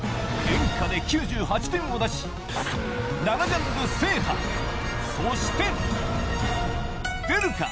「演歌」で９８点を出し７ジャンル制覇そして出るか？